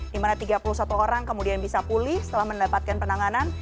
di mana tiga puluh satu orang kemudian bisa pulih setelah mendapatkan penanganan